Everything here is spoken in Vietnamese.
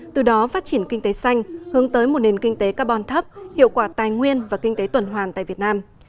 từ đó phát triển kinh tế xanh hướng tới một nền kinh tế carbon thấp hiệu quả tài nguyên và kinh tế tuần hoàn tại việt nam